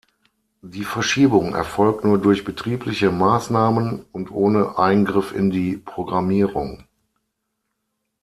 Die Verschiebung erfolgt nur durch betriebliche Maßnahmen und ohne Eingriff in die Programmierung.